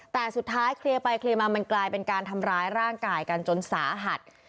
แต่สุดท้ายเคลียร์ไปเคลียร์มามันกลายเป็นการทำร้ายร่างกายกันจนสาหัส